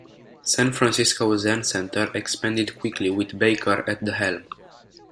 San Francisco Zen Center expanded quickly with Baker at the helm.